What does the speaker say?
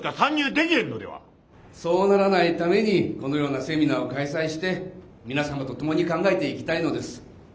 そうならないためにこのようなセミナーを開催して皆様と共に考えていきたいのです。